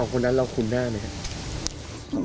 คนนั้นเราคุ้นหน้าไหมครับ